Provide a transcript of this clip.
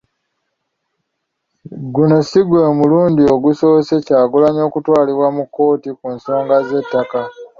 Guno si gwe mulundi ogusoose Kyagulanyi okutwalibwa mu kkooti ku nsonga z'ettaka.